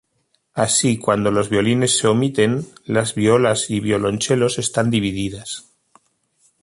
Así, cuando los violines se omiten, las violas y violonchelos están divididas.